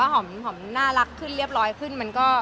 หอมน่ารักขึ้นเรียบร้อยขึ้นมันก็